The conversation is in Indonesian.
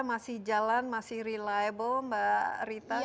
masih jalan masih reliable mbak rita